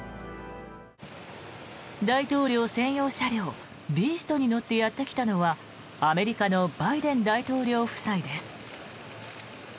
大統領専用車両ビーストに乗ってやってきたのはアメリカのバイデン大統領夫妻です。